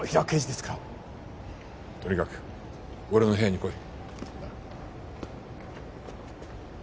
とにかく俺の部屋に来い。